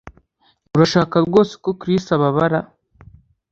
Urashaka rwose ko Chris ababara